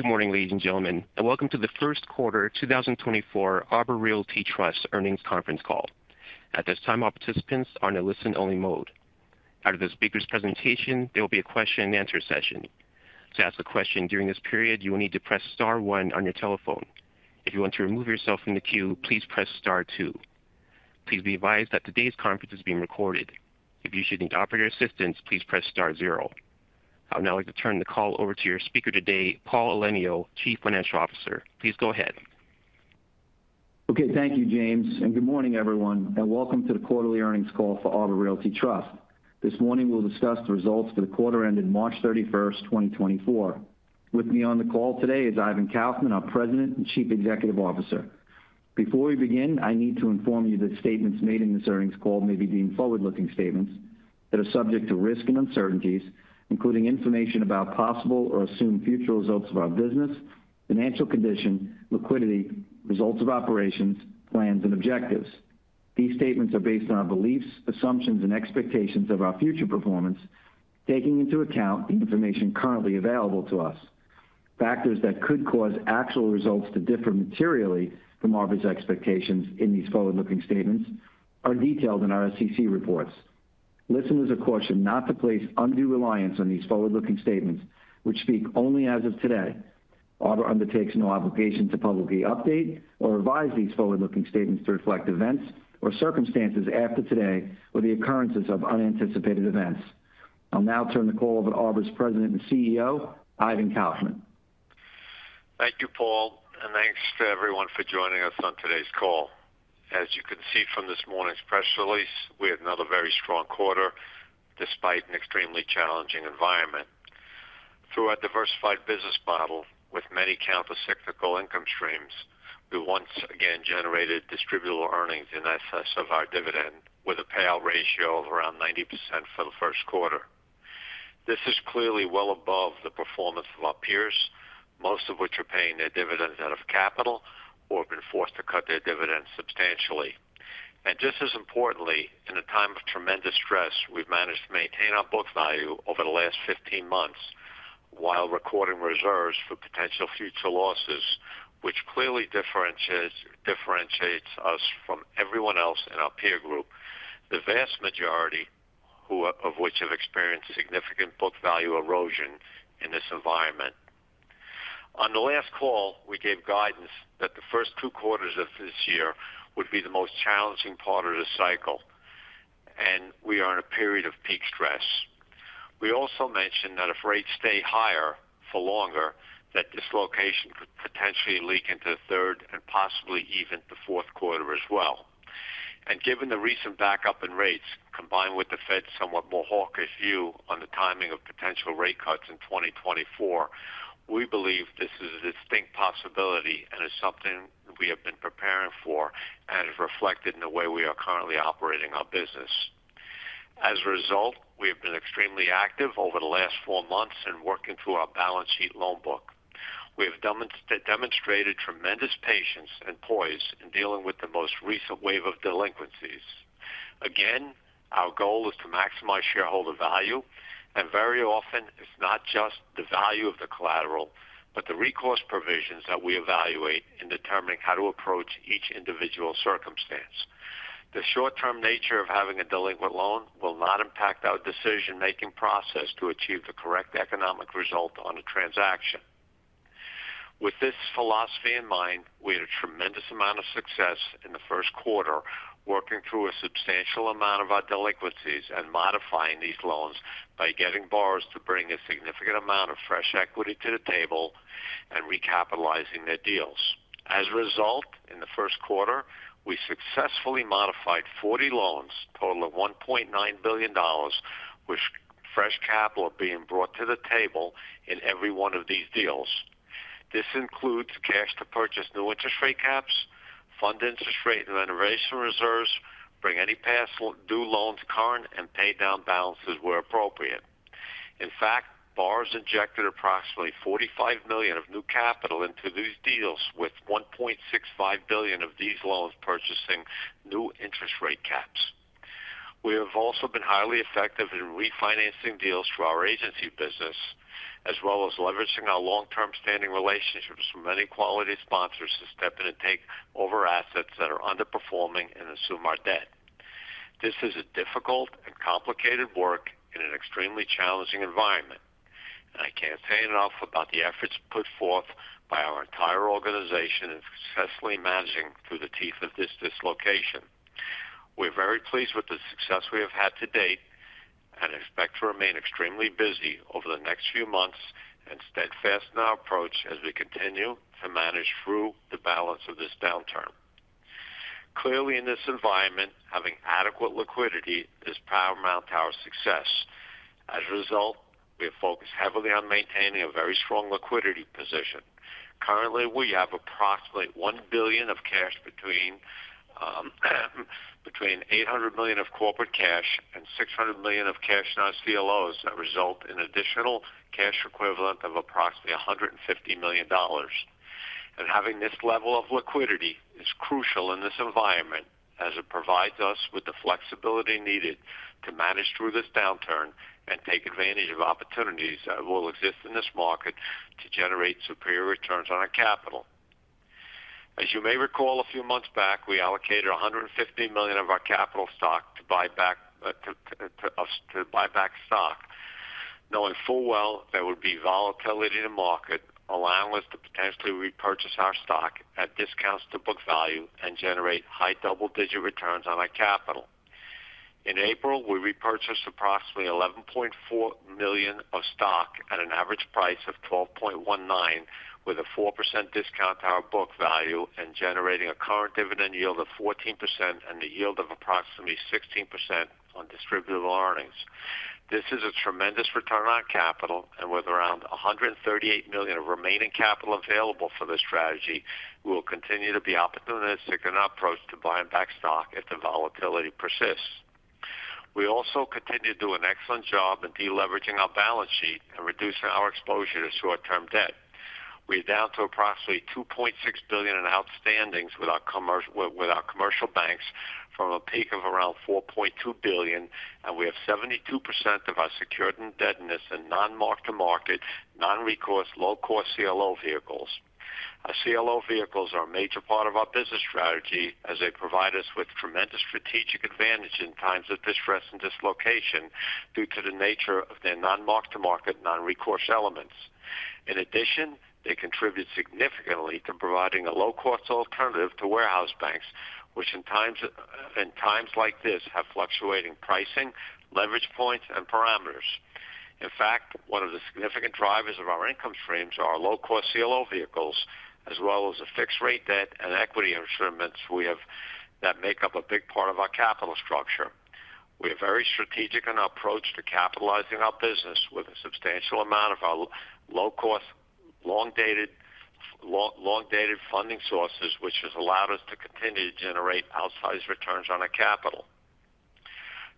Good morning, ladies and gentlemen, and welcome to the first quarter 2024 Arbor Realty Trust Earnings Conference Call. At this time, all participants are in a listen-only mode. After the speaker's presentation, there will be a question-and-answer session. To ask a question during this period, you will need to press star one on your telephone. If you want to remove yourself from the queue, please press star two. Please be advised that today's conference is being recorded. If you should need operator assistance, please press star zero. I would now like to turn the call over to your speaker today, Paul Elenio, Chief Financial Officer. Please go ahead. Okay, thank you, James, and good morning, everyone, and welcome to the quarterly earnings call for Arbor Realty Trust. This morning we'll discuss the results for the quarter ended March 31st, 2024. With me on the call today is Ivan Kaufman, our President and Chief Executive Officer. Before we begin, I need to inform you that statements made in this earnings call may be deemed forward-looking statements that are subject to risk and uncertainties, including information about possible or assumed future results of our business, financial condition, liquidity, results of operations, plans, and objectives. These statements are based on our beliefs, assumptions, and expectations of our future performance, taking into account the information currently available to us. Factors that could cause actual results to differ materially from Arbor's expectations in these forward-looking statements are detailed in our SEC reports. Listeners are cautioned not to place undue reliance on these forward-looking statements, which speak only as of today. Arbor undertakes no obligation to publicly update or revise these forward-looking statements to reflect events or circumstances after today or the occurrences of unanticipated events. I'll now turn the call over to Arbor's President and CEO, Ivan Kaufman. Thank you, Paul, and thanks to everyone for joining us on today's call. As you can see from this morning's press release, we had another very strong quarter despite an extremely challenging environment. Through our diversified business model with many countercyclical income streams, we once again generated Distributable Earnings in excess of our dividend, with a payout ratio of around 90% for the first quarter. This is clearly well above the performance of our peers, most of which are paying their dividends out of capital or have been forced to cut their dividends substantially. And just as importantly, in a time of tremendous stress, we've managed to maintain our book value over the last 15 months while recording reserves for potential future losses, which clearly differentiates us from everyone else in our peer group, the vast majority of which have experienced significant book value erosion in this environment. On the last call, we gave guidance that the first two quarters of this year would be the most challenging part of the cycle, and we are in a period of peak stress. We also mentioned that if rates stay higher for longer, that dislocation could potentially leak into the third and possibly even the fourth quarter as well. Given the recent backup in rates, combined with the Fed's somewhat more hawkish view on the timing of potential rate cuts in 2024, we believe this is a distinct possibility and is something we have been preparing for and is reflected in the way we are currently operating our business. As a result, we have been extremely active over the last 4 months in working through our balance sheet loan book. We have demonstrated tremendous patience and poise in dealing with the most recent wave of delinquencies. Again, our goal is to maximize shareholder value, and very often it's not just the value of the collateral, but the recourse provisions that we evaluate in determining how to approach each individual circumstance. The short-term nature of having a delinquent loan will not impact our decision-making process to achieve the correct economic result on a transaction. With this philosophy in mind, we had a tremendous amount of success in the first quarter, working through a substantial amount of our delinquencies and modifying these loans by getting borrowers to bring a significant amount of fresh equity to the table and recapitalizing their deals. As a result, in the first quarter, we successfully modified 40 loans, total of $1.9 billion, with fresh capital being brought to the table in every one of these deals. This includes cash to purchase new interest rate caps, fund interest rate and renovation reserves, bring any past due loans current, and pay down balances where appropriate. In fact, borrowers injected approximately $45 million of new capital into these deals, with $1.65 billion of these loans purchasing new interest rate caps. We have also been highly effective in refinancing deals through our agency business, as well as leveraging our long-term standing relationships with many quality sponsors to step in and take over assets that are underperforming and assume our debt. This is a difficult and complicated work in an extremely challenging environment. I can't say enough about the efforts put forth by our entire organization in successfully managing through the teeth of this dislocation. We're very pleased with the success we have had to date and expect to remain extremely busy over the next few months and steadfast in our approach as we continue to manage through the balance of this downturn. Clearly, in this environment, having adequate liquidity is paramount to our success. As a result, we have focused heavily on maintaining a very strong liquidity position. Currently, we have approximately $1 billion of cash between $800 million of corporate cash and $600 million of cash in our CLOs that result in additional cash equivalent of approximately $150 million dollars. And having this level of liquidity is crucial in this environment as it provides us with the flexibility needed to manage through this downturn and take advantage of opportunities that will exist in this market to generate superior returns on our capital. As you may recall, a few months back, we allocated $150 million of our capital stock to buy back stock, knowing full well there would be volatility in the market, allowing us to potentially repurchase our stock at discounts to book value and generate high double-digit returns on our capital. In April, we repurchased approximately $11.4 million of stock at an average price of $12.19, with a 4% discount to our book value and generating a current dividend yield of 14% and a yield of approximately 16% on distributable earnings. This is a tremendous return on capital, and with around $138 million of remaining capital available for this strategy, we will continue to be opportunistic in our approach to buying back stock if the volatility persists. We also continue to do an excellent job in deleveraging our balance sheet and reducing our exposure to short-term debt. We're down to approximately $2.6 billion in outstandings with our commercial banks from a peak of around $4.2 billion, and we have 72% of our secured indebtedness in non-mark-to-market, non-recourse, low-cost CLO vehicles. Our CLO vehicles are a major part of our business strategy as they provide us with tremendous strategic advantage in times of distress and dislocation due to the nature of their non-mark-to-market, non-recourse elements. In addition, they contribute significantly to providing a low-cost alternative to warehouse banks, which in times like this, have fluctuating pricing, leverage points, and parameters. In fact, one of the significant drivers of our income streams are our low-cost CLO vehicles, as well as the fixed rate debt and equity instruments we have that make up a big part of our capital structure. We are very strategic in our approach to capitalizing our business with a substantial amount of our low-cost, long-dated funding sources, which has allowed us to continue to generate outsized returns on our capital.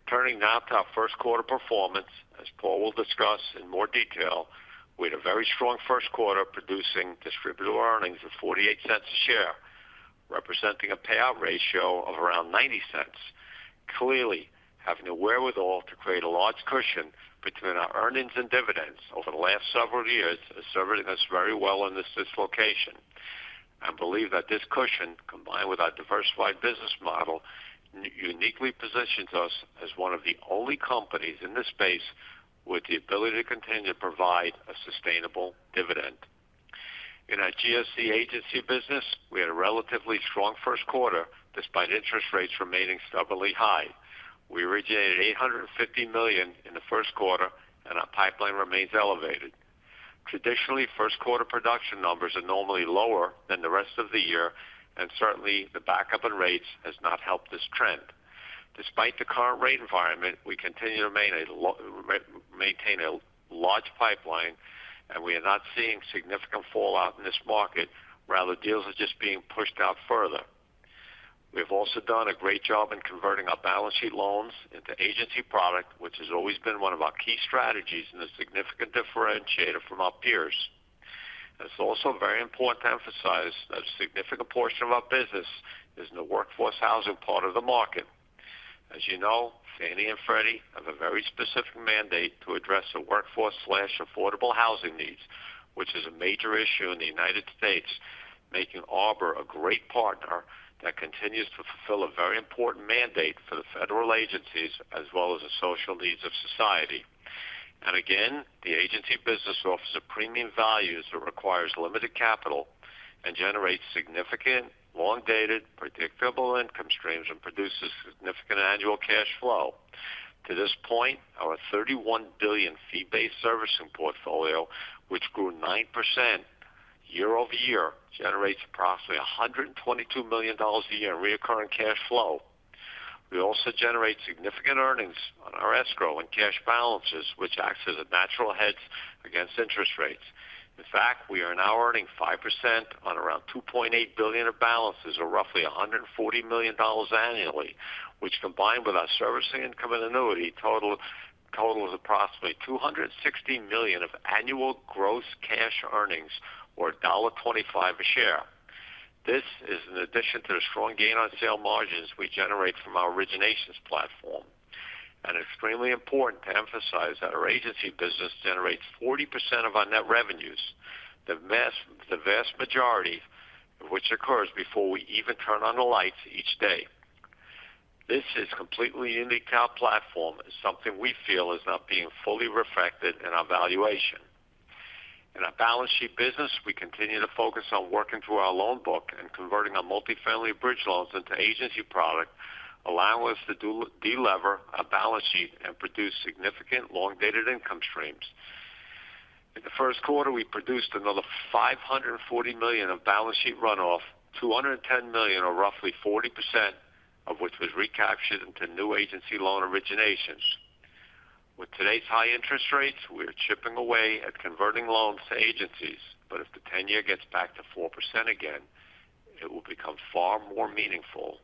Turning now to our first quarter performance, as Paul will discuss in more detail, we had a very strong first quarter producing distributable earnings of $0.48 a share, representing a payout ratio of around 90%. Clearly, having the wherewithal to create a large cushion between our earnings and dividends over the last several years has served us very well in this dislocation. I believe that this cushion, combined with our diversified business model, uniquely positions us as one of the only companies in this space with the ability to continue to provide a sustainable dividend. In our GSE agency business, we had a relatively strong first quarter, despite interest rates remaining stubbornly high. We originated $850 million in the first quarter, and our pipeline remains elevated. Traditionally, first quarter production numbers are normally lower than the rest of the year, and certainly, the backup in rates has not helped this trend. Despite the current rate environment, we continue to maintain a large pipeline, and we are not seeing significant fallout in this market. Rather, deals are just being pushed out further. We've also done a great job in converting our balance sheet loans into agency product, which has always been one of our key strategies and a significant differentiator from our peers. It's also very important to emphasize that a significant portion of our business is in the Workforce Housing part of the market. As you know, Fannie and Freddie have a very specific mandate to address the workforce/affordable housing needs, which is a major issue in the United States, making Arbor a great partner that continues to fulfill a very important mandate for the federal agencies as well as the social needs of society. And again, the agency business offers a premium value that requires limited capital and generates significant, long-dated, predictable income streams and produces significant annual cash flow. To this point, our $31 billion fee-based servicing portfolio, which grew 9% year-over-year, generates approximately $122 million a year in recurring cash flow. We also generate significant earnings on our escrow and cash balances, which acts as a natural hedge against interest rates. In fact, we are now earning 5% on around $2.8 billion of balances, or roughly $140 million annually, which, combined with our servicing income and annuity, totals approximately $260 million of annual gross cash earnings or $1.25 a share. This is in addition to the strong gain on sale margins we generate from our originations platform. Extremely important to emphasize that our agency business generates 40% of our net revenues, the vast majority of which occurs before we even turn on the lights each day. This is completely in the agency platform and something we feel is not being fully reflected in our valuation. In our balance sheet business, we continue to focus on working through our loan book and converting our multifamily bridge loans into agency product, allowing us to delever our balance sheet and produce significant long-dated income streams. In the first quarter, we produced another $540 million of balance sheet runoff, $210 million, or roughly 40% of which was recaptured into new agency loan originations. With today's high interest rates, we are chipping away at converting loans to agencies. But if the ten-year gets back to 4% again, far more meaningful,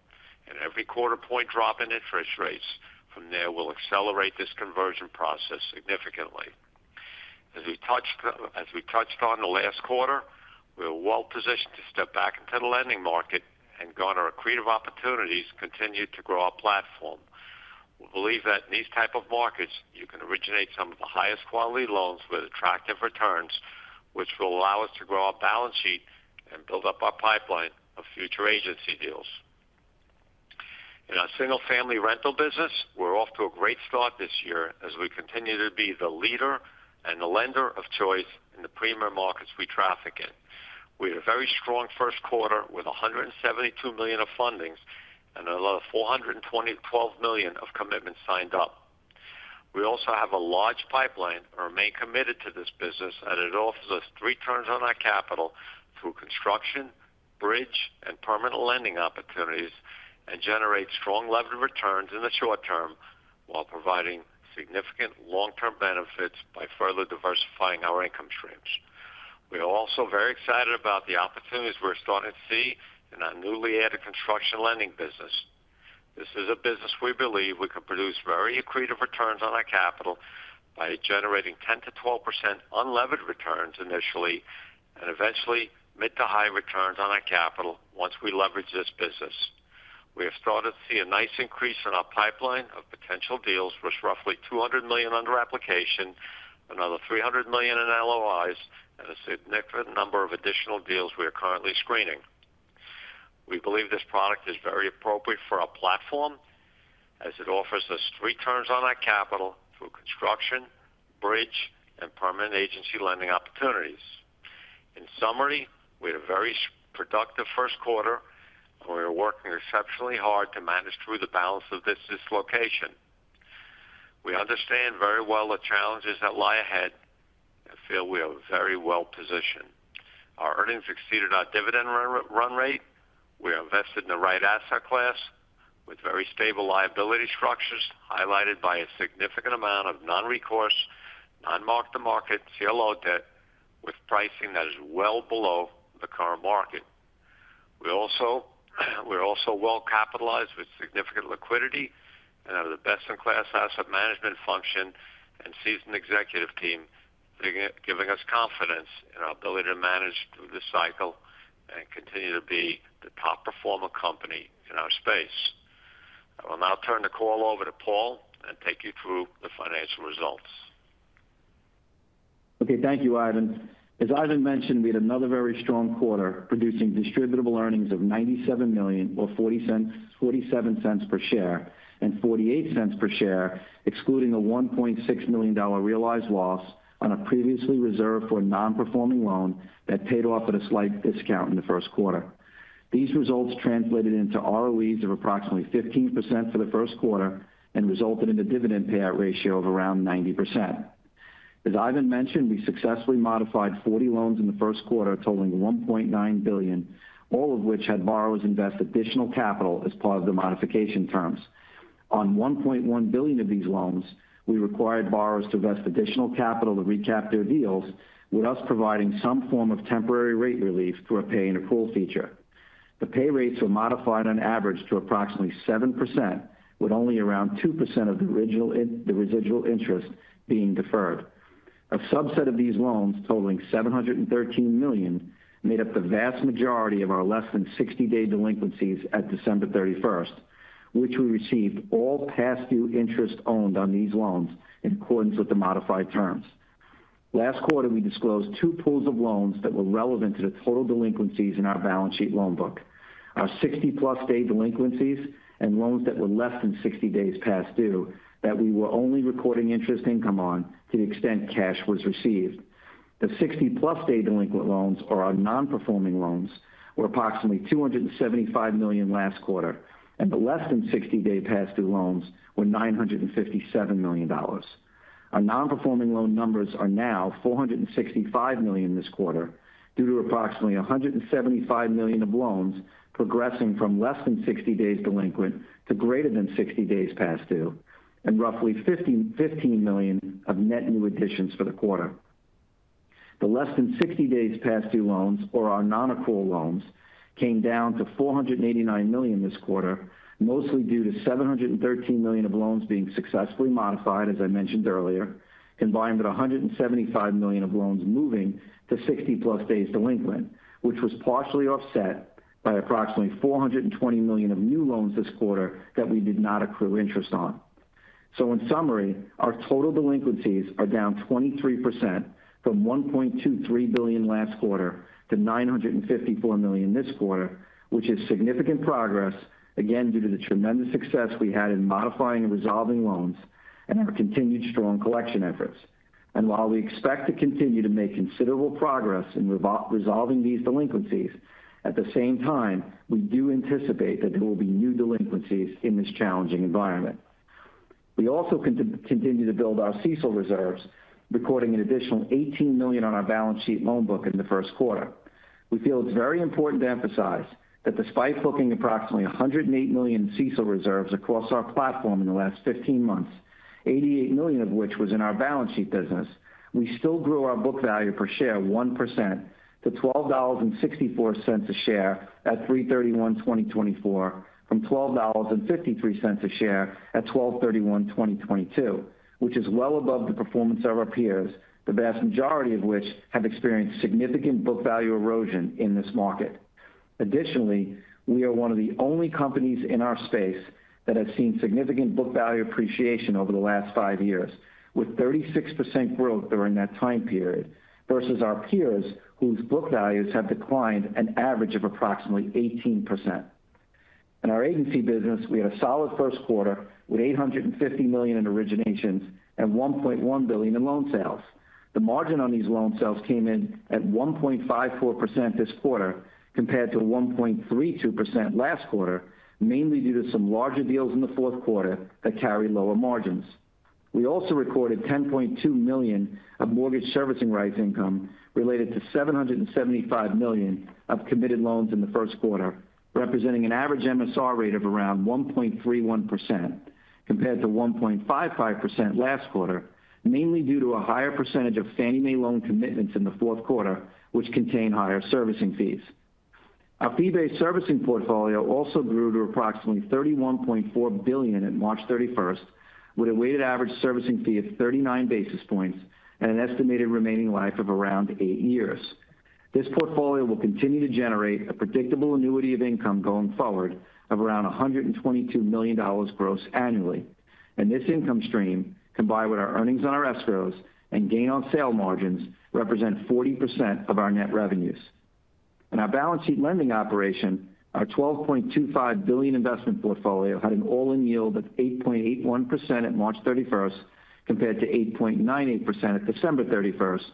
and every quarter point drop in interest rates from there will accelerate this conversion process significantly. As we touched, as we touched on the last quarter, we are well-positioned to step back into the lending market and go on our accretive opportunities to continue to grow our platform. We believe that in these type of markets, you can originate some of the highest quality loans with attractive returns, which will allow us to grow our balance sheet and build up our pipeline of future agency deals. In our single-family rental business, we're off to a great start this year as we continue to be the leader and the lender of choice in the premier markets we traffic in. We had a very strong first quarter with $172 million of fundings and another $422 million of commitments signed up. We also have a large pipeline and remain committed to this business, as it offers us returns on our capital through construction, bridge, and permanent lending opportunities, and generates strong levered returns in the short term, while providing significant long-term benefits by further diversifying our income streams. We are also very excited about the opportunities we're starting to see in our newly added construction lending business. This is a business we believe we can produce very accretive returns on our capital by generating 10%-12% unlevered returns initially, and eventually mid to high returns on our capital once we leverage this business. We have started to see a nice increase in our pipeline of potential deals, with roughly $200 million under application, another $300 million in LOIs, and a significant number of additional deals we are currently screening. We believe this product is very appropriate for our platform as it offers us returns on our capital through construction, bridge, and permanent agency lending opportunities. In summary, we had a very productive first quarter, and we are working exceptionally hard to manage through the balance of this dislocation. We understand very well the challenges that lie ahead and feel we are very well positioned. Our earnings exceeded our dividend run, run rate. We are invested in the right asset class with very stable liability structures, highlighted by a significant amount of non-recourse, non-mark-to-market CLO debt with pricing that is well below the current market. We're also well capitalized with significant liquidity and have the best-in-class asset management function and seasoned executive team, giving us confidence in our ability to manage through this cycle and continue to be the top performer company in our space. I will now turn the call over to Paul to take you through the financial results. Okay, thank you, Ivan. As Ivan mentioned, we had another very strong quarter, producing distributable earnings of $97 million, or $0.40-$0.47 per share and $0.48 per share, excluding a $1.6 million realized loss on a previously reserved for a non-performing loan that paid off at a slight discount in the first quarter. These results translated into ROEs of approximately 15% for the first quarter and resulted in a dividend payout ratio of around 90%. As Ivan mentioned, we successfully modified 40 loans in the first quarter, totaling $1.9 billion, all of which had borrowers invest additional capital as part of the modification terms. On $1.1 billion of these loans, we required borrowers to invest additional capital to recap their deals, with us providing some form of temporary rate relief through a pay-and-accrue feature. The pay rates were modified on average to approximately 7%, with only around 2% of the original in the residual interest being deferred. A subset of these loans, totaling $713 million, made up the vast majority of our less than 60-day delinquencies at December 31st, which we received all past due interest owed on these loans in accordance with the modified terms. Last quarter, we disclosed two pools of loans that were relevant to the total delinquencies in our balance sheet loan book. Our 60+ day delinquencies and loans that were less than 60 days past due that we were only recording interest income on to the extent cash was received. The 60+ day delinquent loans or our non-performing loans were approximately $275 million last quarter, and the less than 60-day past due loans were $957 million. Our non-performing loan numbers are now $465 million this quarter, due to approximately $175 million of loans progressing from less than 60 days delinquent to greater than 60 days past due, and roughly $55 million of net new additions for the quarter. The less than 60 days past due loans, or our non-accrual loans, came down to $489 million this quarter, mostly due to $713 million of loans being successfully modified, as I mentioned earlier, combined with $175 million of loans moving to 60+ days delinquent, which was partially offset by approximately $420 million of new loans this quarter that we did not accrue interest on. So in summary, our total delinquencies are down 23% from $1.23 billion last quarter to $954 million this quarter, which is significant progress, again, due to the tremendous success we had in modifying and resolving loans and our continued strong collection efforts. And while we expect to continue to make considerable progress in resolving these delinquencies, at the same time, we do anticipate that there will be new delinquencies in this challenging environment. We also continue to build our CECL reserves, recording an additional $18 million on our balance sheet loan book in the first quarter. We feel it's very important to emphasize that despite booking approximately $108 million CECL reserves across our platform in the last 15 months, $88 million of which was in our balance sheet business, we still grew our book value per share 1% to $12.64 a share at 3/31/2024, from $12.53 a share at 12/31/2022, which is well above the performance of our peers, the vast majority of which have experienced significant book value erosion in this market. Additionally, we are one of the only companies in our space that have seen significant book value appreciation over the last 5 years, with 36% growth during that time period, versus our peers, whose book values have declined an average of approximately 18%. In our agency business, we had a solid first quarter with $850 million in originations and $1.1 billion in loan sales. The margin on these loan sales came in at 1.54% this quarter, compared to 1.32% last quarter, mainly due to some larger deals in the fourth quarter that carry lower margins. We also recorded $10.2 million of mortgage servicing rights income related to $775 million of committed loans in the first quarter, representing an average MSR rate of around 1.31%, compared to 1.55% last quarter, mainly due to a higher percentage of Fannie Mae loan commitments in the fourth quarter, which contain higher servicing fees. Our fee-based servicing portfolio also grew to approximately $31.4 billion at March 31st, with a weighted average servicing fee of 39 basis points and an estimated remaining life of around 8 years. This portfolio will continue to generate a predictable annuity of income going forward of around $122 million gross annually, and this income stream, combined with our earnings on our escrows and gain on sale margins, represent 40% of our net revenues. In our balance sheet lending operation, our $12.25 billion investment portfolio had an all-in yield of 8.81% at March thirty-first, compared to 8.98% at December thirty-first,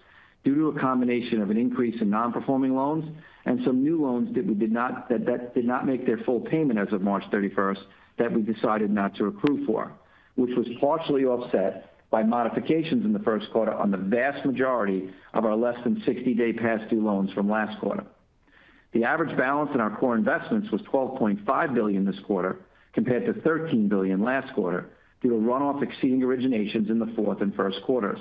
due to a combination of an increase in non-performing loans and some new loans that did not make their full payment as of March thirty-first, that we decided not to accrue for, which was partially offset by modifications in the first quarter on the vast majority of our less than 60-day past due loans from last quarter. The average balance in our core investments was $12.5 billion this quarter, compared to $13 billion last quarter, due to runoff exceeding originations in the fourth and first quarters.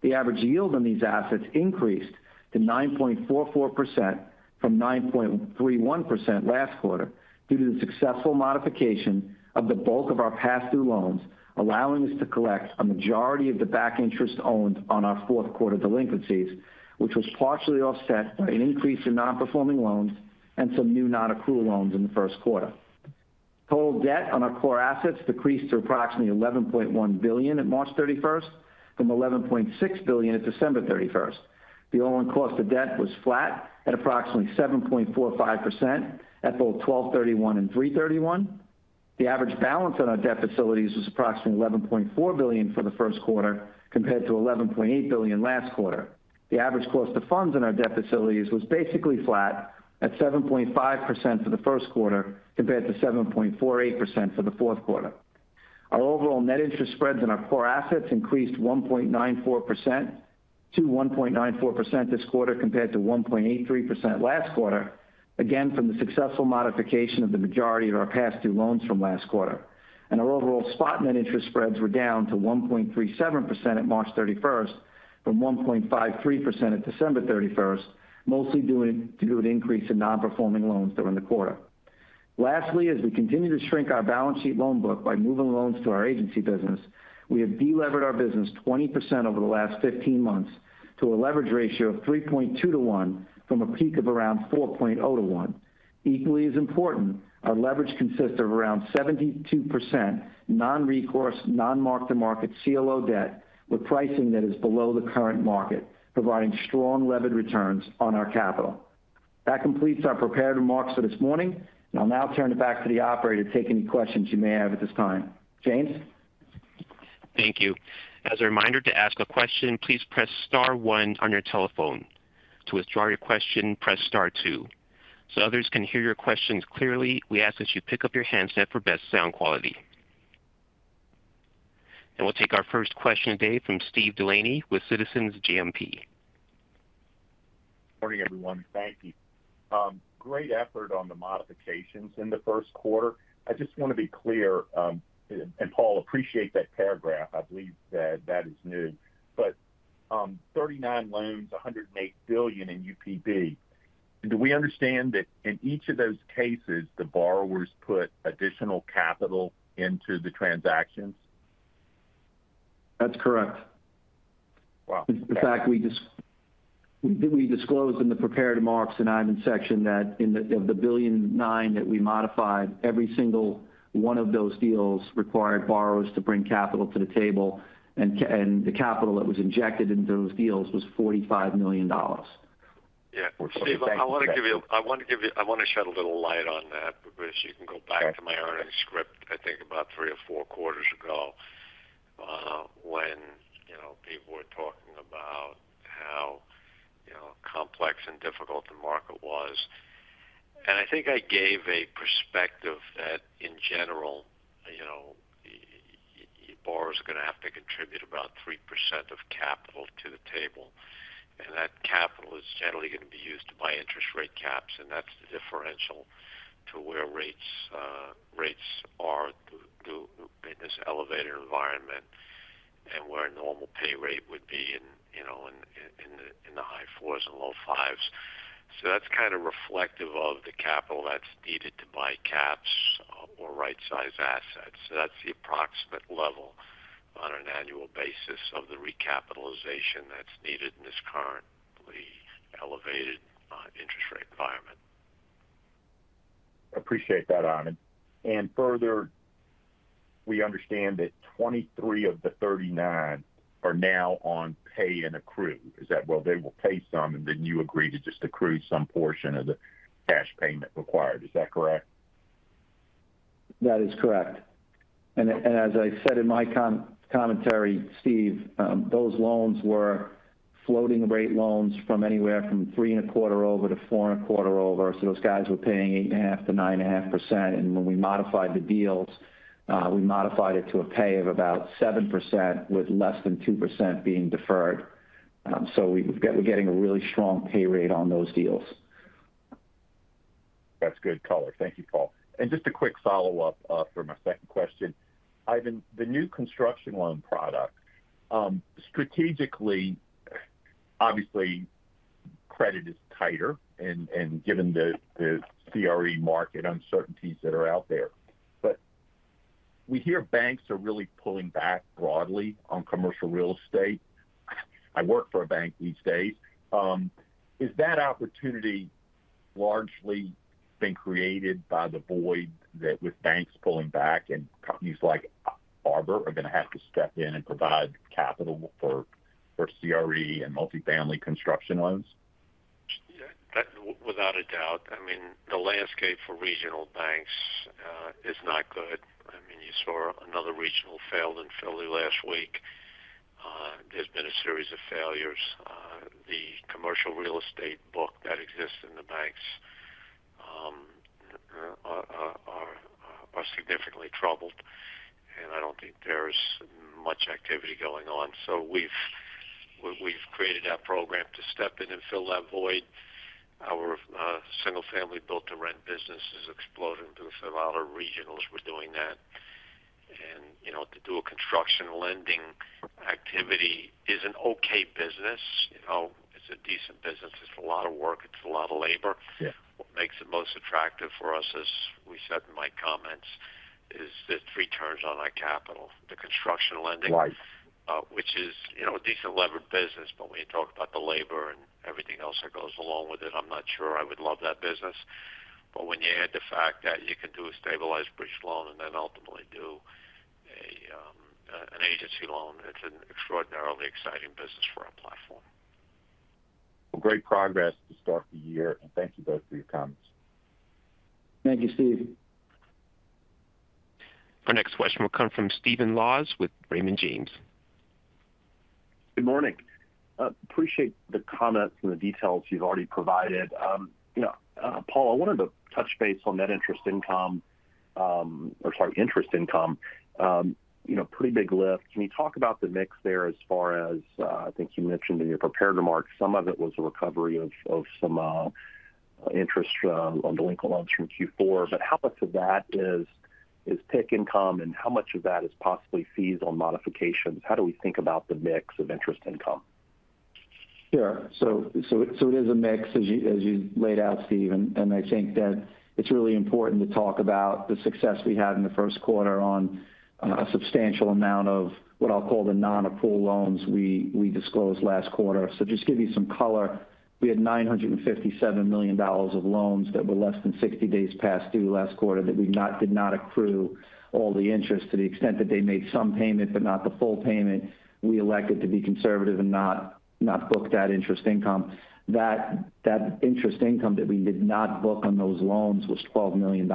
The average yield on these assets increased to 9.44% from 9.31% last quarter due to the successful modification of the bulk of our past due loans, allowing us to collect a majority of the back interest owed on our fourth quarter delinquencies, which was partially offset by an increase in non-performing loans and some new non-accrual loans in the first quarter. Total debt on our core assets decreased to approximately $11.1 billion at March 31st, from $11.6 billion at December 31st. The all-in cost of debt was flat at approximately 7.45% at both 12/31 and 3/31. The average balance on our debt facilities was approximately $11.4 billion for the first quarter, compared to $11.8 billion last quarter. The average cost of funds in our debt facilities was basically flat at 7.5% for the first quarter, compared to 7.48% for the fourth quarter. Our overall net interest spreads in our core assets increased 1.94% to 1.94% this quarter, compared to 1.83% last quarter, again, from the successful modification of the majority of our past due loans from last quarter. Our overall spot net interest spreads were down to 1.37% at March 31 from 1.53% at December 31st, mostly due to an increase in non-performing loans during the quarter. Lastly, as we continue to shrink our balance sheet loan book by moving loans to our agency business, we have delevered our business 20% over the last 15 months to a leverage ratio of 3.2 to 1 from a peak of around 4.0 to 1. Equally as important, our leverage consists of around 72% non-recourse, non-mark-to-market CLO debt, with pricing that is below the current market, providing strong levered returns on our capital. That completes our prepared remarks for this morning, and I'll now turn it back to the operator to take any questions you may have at this time. James? Thank you. As a reminder to ask a question, please press star one on your telephone. To withdraw your question, press star two. So others can hear your questions clearly, we ask that you pick up your handset for best sound quality. We'll take our first question today from Steve Delaney with Citizens JMP. Morning, everyone. Thank you. Great effort on the modifications in the first quarter. I just want to be clear, and Paul, appreciate that paragraph. I believe that that is new. But, 39 loans, $108 billion in UPB. Do we understand that in each of those cases, the borrowers put additional capital into the transactions? That's correct. Wow! In fact, we disclosed in the prepared remarks in Ivan's section that of the $1.9 billion that we modified, every single one of those deals required borrowers to bring capital to the table, and the capital that was injected into those deals was $45 million. Yeah. Steve, I want to shed a little light on that because you can go back to my earnings script, I think about three or four quarters ago, when, you know, people were talking about how complex and difficult the market was. And I think I gave a perspective that in general, you know, your borrowers are going to have to contribute about 3% of capital to the table, and that capital is generally going to be used to buy interest rate caps, and that's the differential to where rates are through in this elevated environment and where a normal pay rate would be in, you know, the high fours and low fives. So that's kind of reflective of the capital that's needed to buy caps or right-size assets. So that's the approximate level on an annual basis of the recapitalization that's needed in this currently elevated interest rate environment. Appreciate that, Ivan. And further, we understand that 23 of the 39 are now on pay and accrue. Is that where they will pay some, and then you agree to just accrue some portion of the cash payment required? Is that correct? That is correct. And as I said in my commentary, Steve, those loans were floating rate loans from anywhere from 3.25 over to 4.25 over. So those guys were paying 8.5%-9.5%. And when we modified the deals, we modified it to a pay of about 7%, with less than 2% being deferred. So we're getting a really strong pay rate on those deals. That's good color. Thank you, Paul. And just a quick follow-up for my second question. Ivan, the new construction loan product, strategically, obviously, credit is tighter and given the CRE market uncertainties that are out there. But we hear banks are really pulling back broadly on commercial real estate. I work for a bank these days. Is that opportunity largely been created by the void that with banks pulling back and companies like Arbor are going to have to step in and provide capital for CRE and multifamily construction loans? Yeah, that without a doubt. I mean, the landscape for regional banks is not good. I mean, you saw another regional failed in Philly last week. There's been a series of failures. The commercial real estate book that exists in the banks are significantly troubled, and I don't think there's much activity going on. So we've created that program to step in and fill that void. Our single-family built-to-rent business is exploding because a lot of regionals were doing that. And, you know, to do a construction lending activity is an okay business. You know, it's a decent business. It's a lot of work. It's a lot of labor. Yeah. What makes it most attractive for us, as we said in my comments, is the returns on our capital, the construction lending- Right. Which is, you know, a decent levered business, but when you talk about the labor and everything else that goes along with it, I'm not sure I would love that business. But when you add the fact that you can do a stabilized bridge loan and then ultimately do an agency loan, it's an extraordinarily exciting business for our platform. Well, great progress to start the year, and thank you both for your comments. Thank you, Steve. Our next question will come from Stephen Laws with Raymond James. Good morning. Appreciate the comments and the details you've already provided. You know, Paul, I wanted to touch base on net interest income, or sorry, interest income. You know, pretty big lift. Can you talk about the mix there as far as, I think you mentioned in your prepared remarks, some of it was a recovery of some interest on delinquent loans from Q4. But how much of that is PIK income, and how much of that is possibly fees on modifications? How do we think about the mix of interest income? Sure. So it is a mix, as you laid out, Steve, and I think that it's really important to talk about the success we had in the first quarter on a substantial amount of what I'll call the non-accrual loans we disclosed last quarter. So just give you some color, we had $957 million of loans that were less than 60 days past due last quarter, that we did not accrue all the interest to the extent that they made some payment, but not the full payment. We elected to be conservative and not book that interest income. That interest income that we did not book on those loans was $12 million.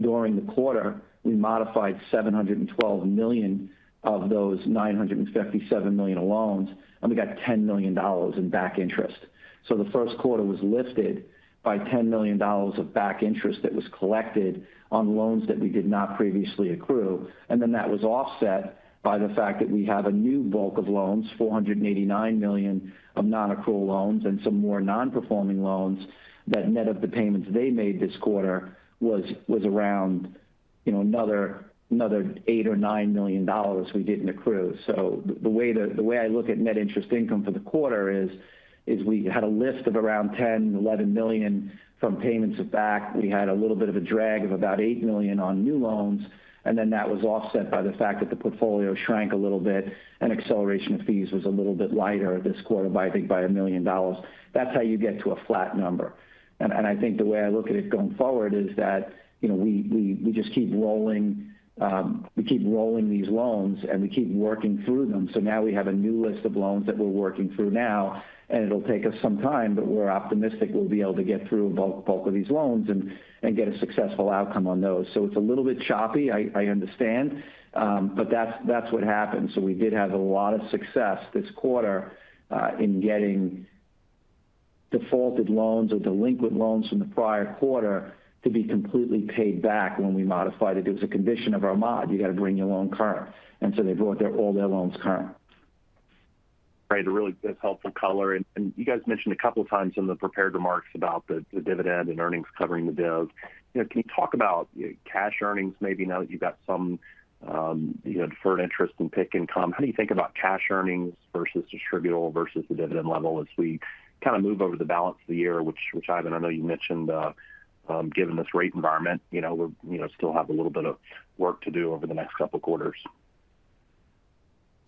During the quarter, we modified $712 million of those $957 million loans, and we got $10 million in back interest. So the first quarter was lifted by $10 million of back interest that was collected on loans that we did not previously accrue. And then that was offset by the fact that we have a new bulk of loans, $489 million of non-accrual loans and some more non-performing loans, that net of the payments they made this quarter was around, you know, another $8 million or $9 million we didn't accrue. So the way the way I look at net interest income for the quarter is we had a lift of around $10 million-$11 million from payments of back. We had a little bit of a drag of about $8 million on new loans, and then that was offset by the fact that the portfolio shrank a little bit, and acceleration of fees was a little bit lighter this quarter by, I think, $1 million. That's how you get to a flat number. I think the way I look at it going forward is that, you know, we just keep rolling these loans, and we keep working through them. So now we have a new list of loans that we're working through now, and it'll take us some time, but we're optimistic we'll be able to get through a bulk of these loans and get a successful outcome on those. So it's a little bit choppy, I understand, but that's what happened. So we did have a lot of success this quarter in defaulted loans or delinquent loans from the prior quarter to be completely paid back when we modified it. It was a condition of our mod. You got to bring your loan current, and so they brought their all their loans current. Right. A really good helpful color. And you guys mentioned a couple of times in the prepared remarks about the dividend and earnings covering the div. You know, can you talk about cash earnings, maybe now that you've got some, you know, deferred interest in PIK income? How do you think about cash earnings versus distributable versus the dividend level as we kind of move over the balance of the year, which, Ivan, I know you mentioned, given this rate environment, you know, still have a little bit of work to do over the next couple of quarters.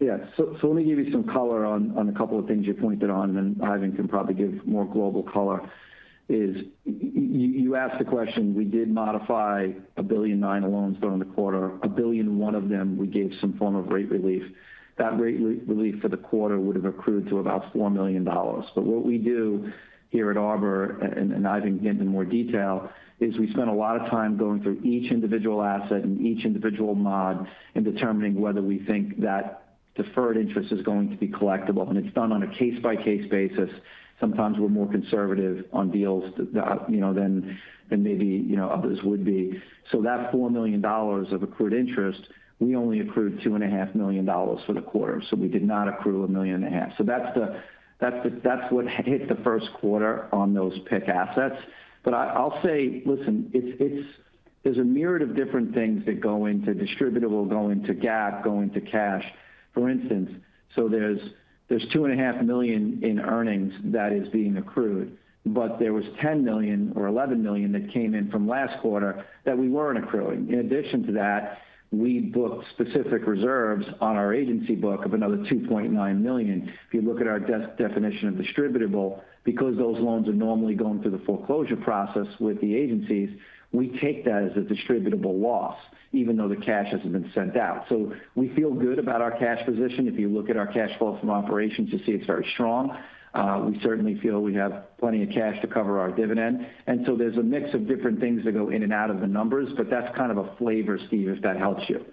Yeah. So let me give you some color on a couple of things you pointed on, and then Ivan can probably give more global color. You asked the question; we did modify $1.9 billion loans during the quarter. $1 billion of them, we gave some form of rate relief. That rate relief for the quarter would have accrued to about $4 million. But what we do here at Arbor, and Ivan can get into more detail, is we spend a lot of time going through each individual asset and each individual mod and determining whether we think that deferred interest is going to be collectible. And it's done on a case-by-case basis. Sometimes we're more conservative on deals that, you know, than maybe, you know, others would be. So that $4 million of accrued interest, we only accrued $2.5 million for the quarter, so we did not accrue $1.5 million. So that's what hit the first quarter on those PIK assets. But I'll say, listen, it's; there's a myriad of different things that go into distributable, go into GAAP, go into cash. For instance, so there's $2.5 million in earnings that is being accrued, but there was $10 million or $11 million that came in from last quarter that we weren't accruing. In addition to that, we booked specific reserves on our agency book of another $2.9 million. If you look at our definition of distributable, because those loans are normally going through the foreclosure process with the agencies, we take that as a distributable loss, even though the cash hasn't been sent out. So we feel good about our cash position. If you look at our cash flow from operations, you see it's very strong. We certainly feel we have plenty of cash to cover our dividend. And so there's a mix of different things that go in and out of the numbers, but that's kind of a flavor, Steve, if that helps you.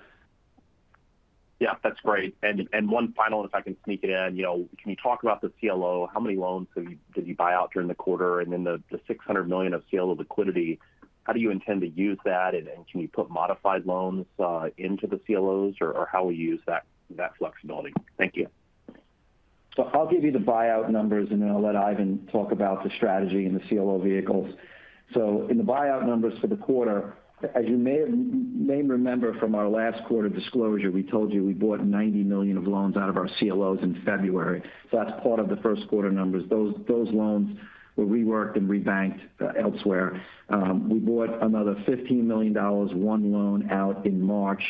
Yeah, that's great. And one final, if I can sneak it in, you know, can you talk about the CLO? How many loans have you—did you buy out during the quarter, and then the $600 million of CLO liquidity, how do you intend to use that? And can you put modified loans into the CLOs or how will you use that flexibility? Thank you. So I'll give you the buyout numbers, and then I'll let Ivan talk about the strategy and the CLO vehicles. So in the buyout numbers for the quarter, as you may remember from our last quarter disclosure, we told you we bought $90 million of loans out of our CLOs in February. So that's part of the first quarter numbers. Those, those loans were reworked and rebanked elsewhere. We bought another $15 million, one loan out in March,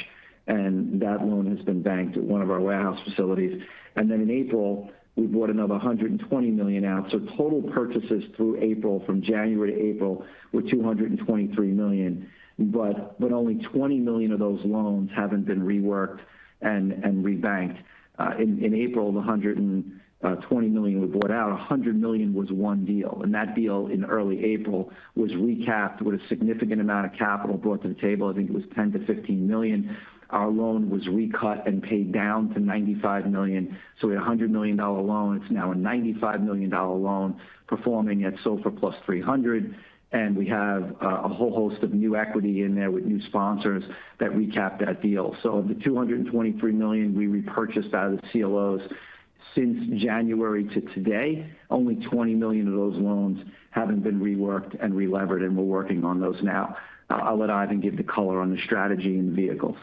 and that loan has been banked at one of our warehouse facilities. And then in April, we bought another $120 million out. So total purchases through April, from January to April, were $223 million, but, but only $20 million of those loans haven't been reworked and, and rebanked. In April, the $120 million we bought out, $100 million was one deal, and that deal in early April was recapped with a significant amount of capital brought to the table. I think it was $10 million-$15 million. Our loan was recut and paid down to $95 million. So we had a $100 million loan. It's now a $95 million loan, performing at SOFR +300, and we have a whole host of new equity in there with new sponsors that recapped that deal. So of the $223 million we repurchased out of the CLOs since January to today, only $20 million of those loans haven't been reworked and relevered, and we're working on those now. I'll let Ivan give the color on the strategy and the vehicles.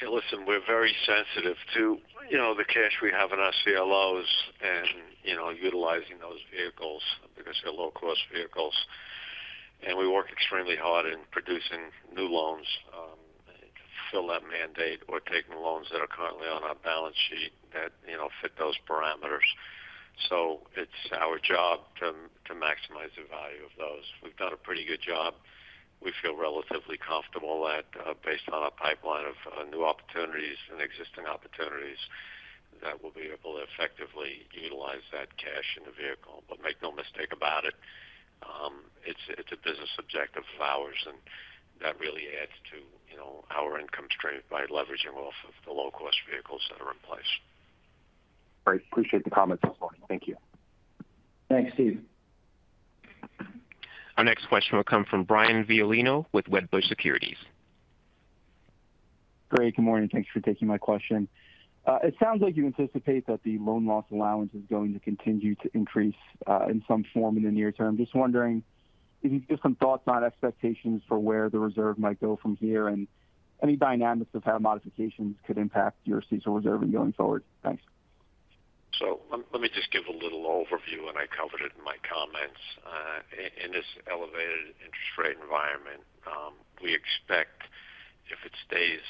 Hey, listen, we're very sensitive to, you know, the cash we have in our CLOs and, you know, utilizing those vehicles because they're low-cost vehicles, and we work extremely hard in producing new loans to fill that mandate or taking loans that are currently on our balance sheet that, you know, fit those parameters. So it's our job to maximize the value of those. We've done a pretty good job. We feel relatively comfortable that, based on our pipeline of new opportunities and existing opportunities, that we'll be able to effectively utilize that cash in the vehicle. But make no mistake about it, it's a business objective of ours, and that really adds to, you know, our income stream by leveraging off of the low-cost vehicles that are in place. Great. Appreciate the comments this morning. Thank you. Thanks, Steve. Our next question will come from Brian Violino with Wedbush Securities. Great. Good morning, and thanks for taking my question. It sounds like you anticipate that the loan loss allowance is going to continue to increase in some form in the near term. Just wondering if you could give some thoughts on expectations for where the reserve might go from here, and any dynamics of how modifications could impact your CECL reserve going forward? Thanks. So let me just give a little overview, and I covered it in my comments. In this elevated interest rate environment, we expect if it stays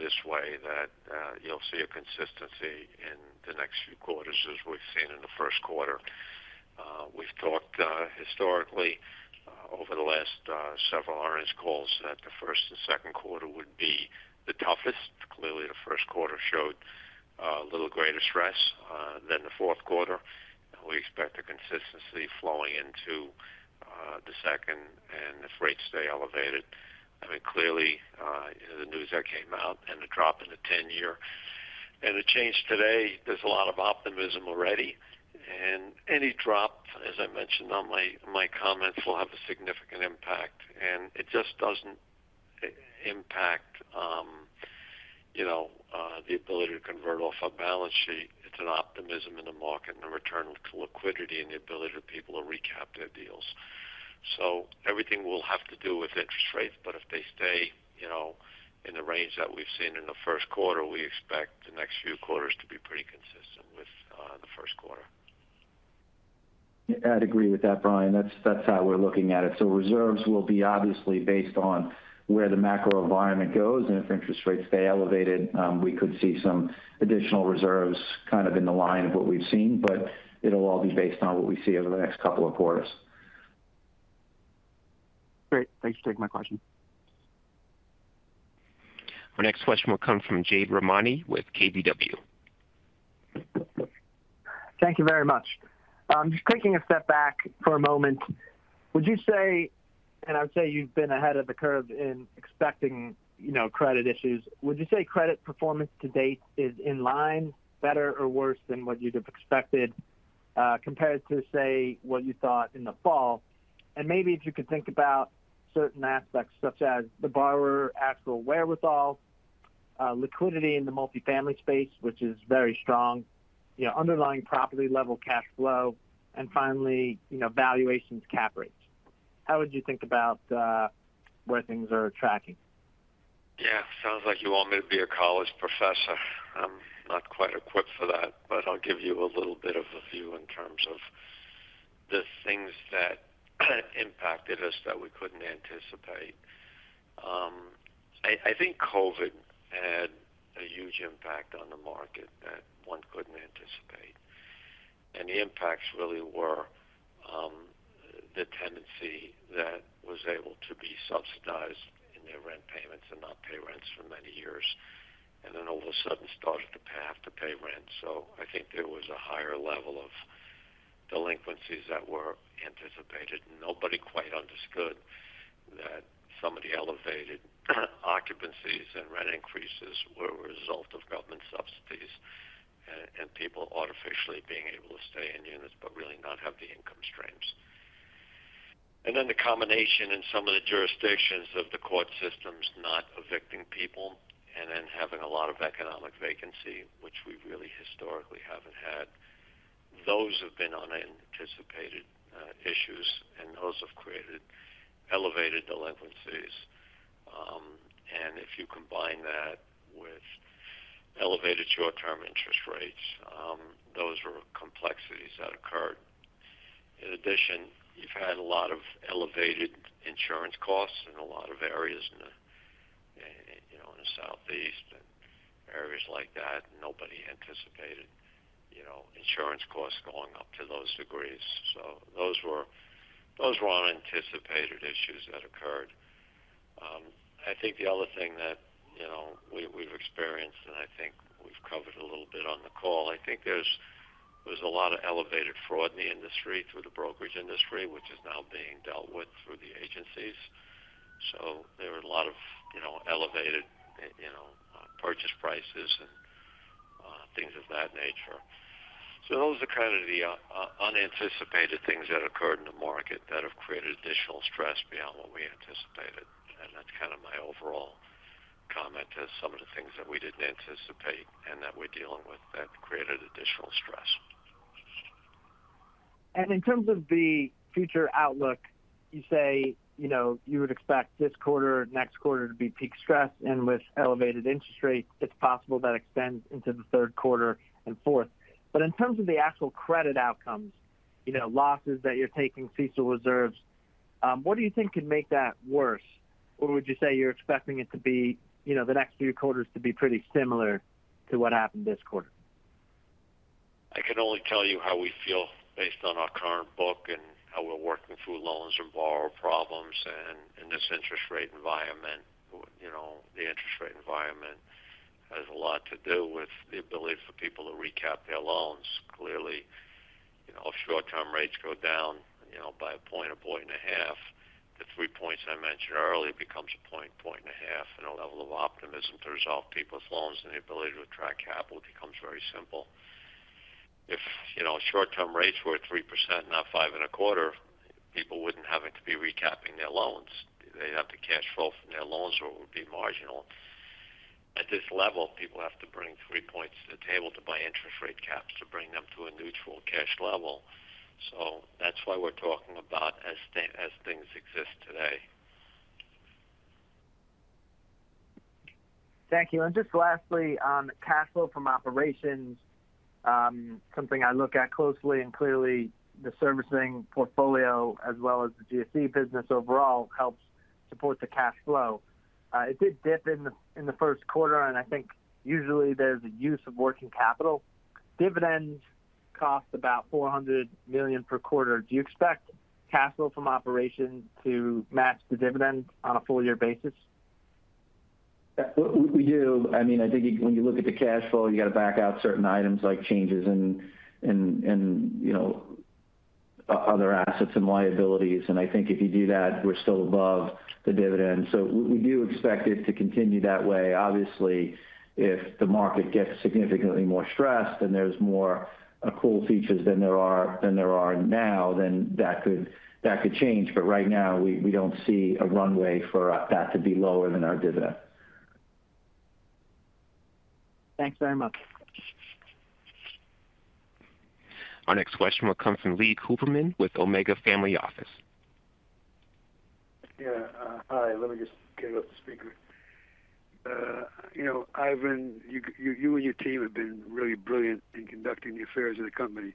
this way, that you'll see a consistency in the next few quarters as we've seen in the first quarter. We've talked historically over the last several earnings calls, that the first and second quarter would be the toughest. Clearly, the first quarter showed a little greater stress than the fourth quarter. We expect the consistency flowing into the second and if rates stay elevated. I mean, clearly the news that came out and the drop in the 10 years, and the change today, there's a lot of optimism already, and any drop, as I mentioned on my comments, will have a significant impact. It just doesn't impact, you know, the ability to convert off our balance sheet. It's an optimism in the market and a return to liquidity and the ability for people to recap their deals. So everything will have to do with interest rates, but if they stay, you know, in the range that we've seen in the first quarter, we expect the next few quarters to be pretty consistent with the first quarter. Yeah, I'd agree with that, Brian. That's, that's how we're looking at it. So reserves will be obviously based on where the macro environment goes, and if interest rates stay elevated, we could see some additional reserves kind of in the line of what we've seen, but it'll all be based on what we see over the next couple of quarters. Great. Thanks for taking my question. Our next question will come from Jade Rahmani with KBW. Thank you very much. Just taking a step back for a moment, would you say, and I would say you've been ahead of the curve in expecting, you know, credit issues. Would you say credit performance to date is in line, better, or worse than what you'd have expected, compared to, say, what you thought in the fall? And maybe if you could think about certain aspects, such as the borrower, actual wherewithal, liquidity in the multifamily space, which is very strong, you know, underlying property-level cash flow, and finally, you know, valuations, cap rates. How would you think about where things are tracking? Yeah. Sounds like you want me to be a college professor. I'm not quite equipped for that, but I'll give you a little bit of a view in terms of the things that impacted us that we couldn't anticipate. I think COVID had a huge impact on the market that one couldn't anticipate. And the impacts really were the tendency that was able to be subsidized in their rent payments and not pay rents for many years, and then all of a sudden started to have to pay rent. So I think there was a higher level of delinquencies that were anticipated. Nobody quite understood that some of the elevated occupancies and rent increases were a result of government subsidies, and people artificially being able to stay in units but really not have the income streams. And then the combination in some of the jurisdictions of the court systems not evicting people, and then having a lot of economic vacancy, which we really historically haven't had. Those have been unanticipated issues, and those have created elevated delinquencies. And if you combine that with elevated short-term interest rates, those were complexities that occurred. In addition, you've had a lot of elevated insurance costs in a lot of areas, you know, in the Southeast and areas like that. Nobody anticipated, you know, insurance costs going up to those degrees. So those were unanticipated issues that occurred. I think the other thing that, you know, we, we've experienced, and I think we've covered a little bit on the call, I think there's a lot of elevated fraud in the industry through the brokerage industry, which is now being dealt with through the agencies. So there are a lot of, you know, elevated purchase prices and things of that nature. So those are kind of the unanticipated things that occurred in the market that have created additional stress beyond what we anticipated, and that's kind of my overall comment as some of the things that we didn't anticipate and that we're dealing with that created additional stress. In terms of the future outlook, you say, you know, you would expect this quarter, next quarter to be peak stress, and with elevated interest rates, it's possible that extends into the third quarter and fourth. But in terms of the actual credit outcomes, you know, losses that you're taking, CECL reserves, what do you think could make that worse? Or would you say you're expecting it to be, you know, the next few quarters to be pretty similar to what happened this quarter? I can only tell you how we feel based on our current book and how we're working through loans and borrower problems, and in this interest rate environment. You know, the interest rate environment has a lot to do with the ability for people to recap their loans. Clearly, you know, if short-term rates go down, you know, by 1 point, 1.5 points, the 3 points I mentioned earlier becomes 1 point, 1.5 points, and a level of optimism to resolve people's loans and the ability to attract capital becomes very simple. If, you know, short-term rates were at 3%, not 5.25%, people wouldn't have to be recapping their loans. They'd have the cash flow from their loans, or it would be marginal. At this level, people have to bring three points to the table to buy interest rate caps to bring them to a neutral cash level. So that's why we're talking about as thin as things exist today. Thank you. Just lastly, on cash flow from operations, something I look at closely and clearly, the servicing portfolio, as well as the GSE business overall, helps support the cash flow. It did dip in the first quarter, and I think usually there's a use of working capital. Dividends cost about $400 million per quarter. Do you expect cash flow from operations to match the dividend on a full year basis? We do. I mean, I think when you look at the cash flow, you got to back out certain items like changes and you know other assets and liabilities, and I think if you do that, we're still above the dividend. So we do expect it to continue that way. Obviously, if the market gets significantly more stressed, and there's more accrual features than there are now, then that could change. But right now, we don't see a runway for that to be lower than our dividend. Thanks very much. Our next question will come from Leon Cooperman with Omega Family Office. Yeah, hi, let me just get off the speaker. You know, Ivan, you and your team have been really brilliant in conducting the affairs of the company.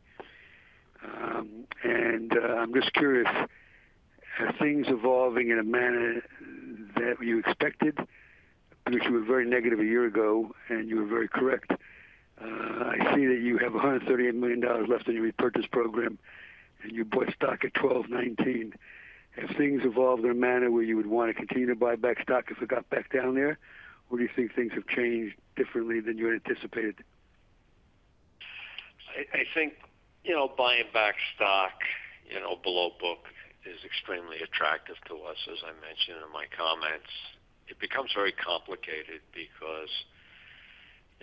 I'm just curious, are things evolving in a manner that you expected? Because you were very negative a year ago, and you were very correct. I see that you have $138 million left in your repurchase program, and you bought stock at $12.19. Have things evolved in a manner where you would want to continue to buy back stock if it got back down there? Or do you think things have changed differently than you had anticipated? I think, you know, buying back stock, you know, below book is extremely attractive to us, as I mentioned in my comments. It becomes very complicated because,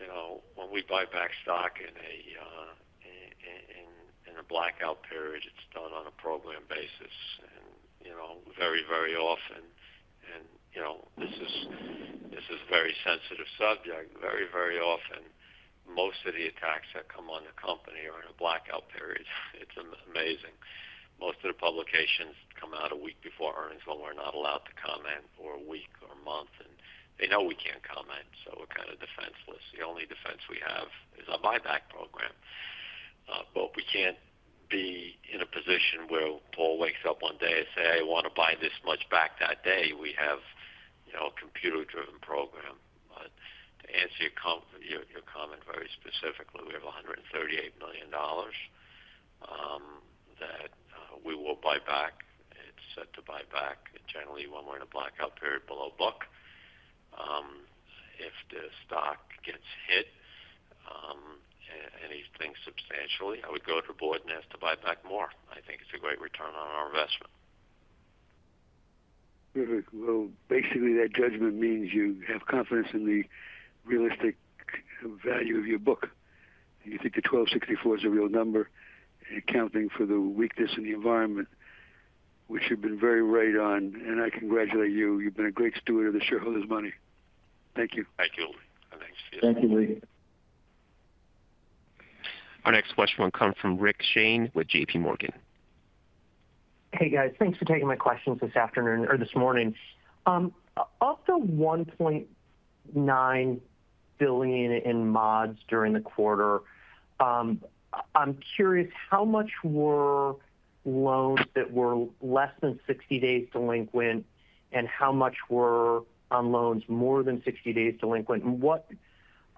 you know, when we buy back stock in a blackout period, it's done on a program basis. And, you know, very, very often, and, you know, this is a very sensitive subject. Very, very often, most of the attacks that come on the company are in a blackout period. It's amazing. Most of the publications come out a week before earnings, when we're not allowed to comment, or a week, or a month, and they know we can't comment, so we're kind of defenseless. The only defense we have is our buyback program. But we can't be in a position where Paul wakes up one day and say, "I want to buy this much back that day." We have, you know, a computer-driven program. But to answer your comment very specifically, we have $138 million that we will buy back. It's set to buy back generally when we're in a blackout period below book. If the stock gets hit anything substantially, I would go to the board and ask to buy back more. I think it's a great return on our investment. Very well. Basically, that judgment means you have confidence in the realistic value of your book. You think the $12.64 is a real number, accounting for the weakness in the environment, which you've been very right on, and I congratulate you. You've been a great steward of the shareholders' money. Thank you. Thank you, Lee. Thanks. Thank you, Lee. Our next question will come from Rick Shane with JPMorgan. Hey, guys. Thanks for taking my questions this afternoon or this morning. Of the $1.9 billion in mods during the quarter, I'm curious, how much were loans that were less than 60 days delinquent, and how much were on loans more than 60 days delinquent? And what,